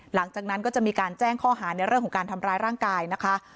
หลังจากนั้นก็จะมีการแจ้งข้อหาในเรื่องของการทำร้ายร่างกายนะคะ